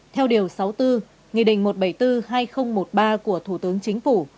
theo điều sáu mươi bốn nghị định một trăm bảy mươi bốn hai nghìn một mươi ba của thủ tướng chính phủ